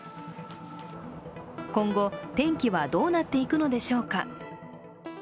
今後、天気はどうなっていくのでしょうか。